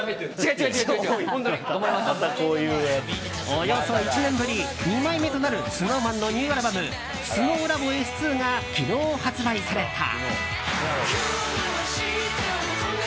およそ１年ぶり、２枚目となるＳｎｏｗＭａｎのニューアルバム「ＳｎｏｗＬａｂｏ．Ｓ２」が昨日、発売された。